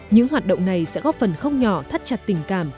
những hoạt động này sẽ góp phần không nhỏ thắt chặt tình cảm